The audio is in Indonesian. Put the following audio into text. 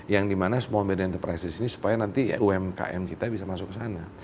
yang dimana seorang pemerintah di sini supaya nanti umkm kita bisa masuk ke sana